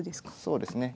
そうですね。